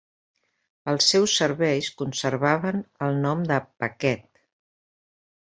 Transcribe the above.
Els seus serveis conservaven el nom de "paquet".